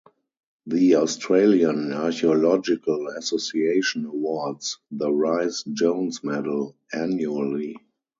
The Australian Archaeological Association awards the "Rhys Jones Medal" annually.